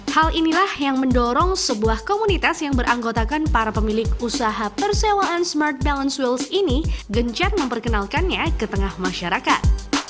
hal inilah yang mendorong sebuah komunitas yang beranggotakan para pemilik usaha persewaan smart balance wheels ini gencar memperkenalkannya ke tengah masyarakat